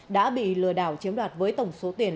đã bị lừa đảo chiếm đoạt với tổng số tiền